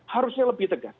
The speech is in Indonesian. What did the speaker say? harusnya lebih tegas